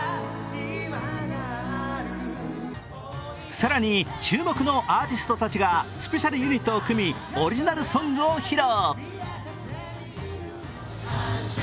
更に、注目のアーティストたちがスペシャルユニットを組み、オリジナルソングを披露。